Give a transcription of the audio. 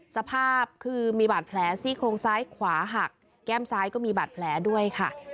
สภาพคือมีบาดแผลซี่โครงซ้ายขวาหักแก้มซ้ายก็มีบาดแผลด้วยค่ะ